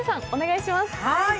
お願いします。